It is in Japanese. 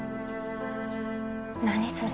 何それ